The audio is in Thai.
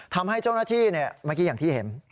ทำให้เจ้าหน้าที่เมื่อกี้อย่างที่เห็น